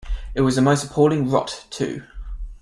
It was the most appalling rot, too.